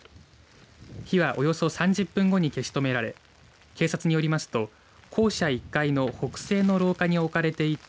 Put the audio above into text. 火はおよそ３０分後に消し止められ警察によりますと、校舎１階の北西の廊下に置かれていた